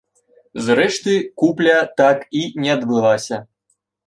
Зрэшты купля так і не адбылася.